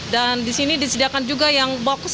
dan di sini disediakan juga yang box